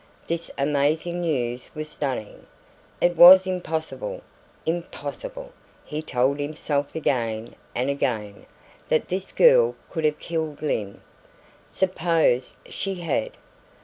This amazing news was stunning. It was impossible, impossible, he told himself again and again, that this girl could have killed Lyne. Suppose she had?